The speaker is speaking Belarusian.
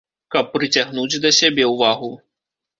Каб прыцягнуць да сябе ўвагу.